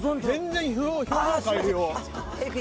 全然。